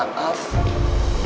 gue butuhnya aksi nyata